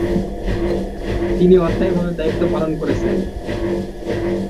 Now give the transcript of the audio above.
তিনি অস্থায়ীভাবে দায়িত্বপালন করেছেন।